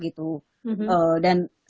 gitu ee dan